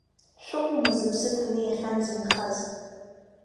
Шәыҟоума зыԥсы ҭаны иахьанӡа инхаз!